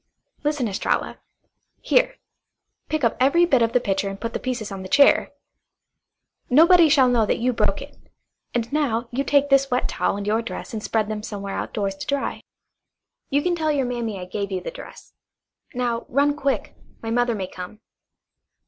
"Listen, Estralla! Here, pick up every bit of the pitcher and put the pieces on the chair. Nobody shall know that you broke it. And now you take this wet towel and your dress and spread them somewhere outdoors to dry. You can tell your mammy I gave you the dress. Now, run quick. My mother may come."